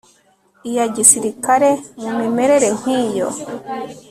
iya gisirikare mu mimerere nk iyo